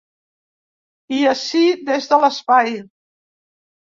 I ací, des de l’espai.